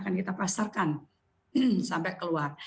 yang merupakan acara pameran toksur terkait produk produk lokal sulawesi